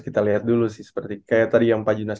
kita lihat dulu sih seperti kayak tadi yang pak junas